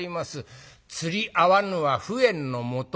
釣り合わぬは不縁のもと。